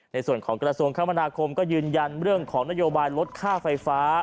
ในส่วนของกระทรวงคมนาคมก็ยืนยันเรื่องของนโยบายลดค่าไฟฟ้า